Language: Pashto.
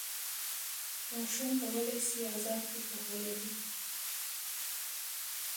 ماشوم کولی سي ازاد فکر ولري.